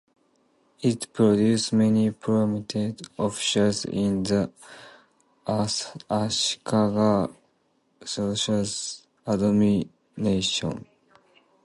It produced many prominent officials in the Ashikaga shogunate's administration.